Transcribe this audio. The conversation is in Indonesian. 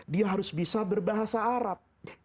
dia harus bisa berbahasa arab